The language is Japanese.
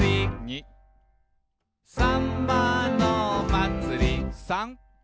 「さんまのまつり」「さん」